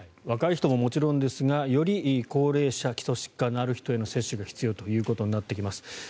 若い人ももちろんですが、より高齢者基礎疾患のある人への接種が必要となってきます。